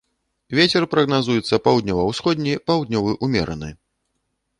Вецер прагназуецца паўднёва-ўсходні, паўднёвы ўмераны.